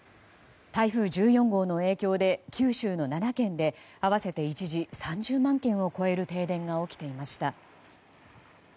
台風１４号の影響で九州の７県で合わせて一時３０万軒を超える停電が起きていました。